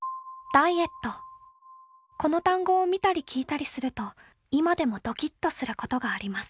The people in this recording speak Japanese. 「この単語を見たり聞いたりすると今でもドキッとすることがあります。